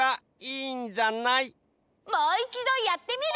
もういちどやってみる！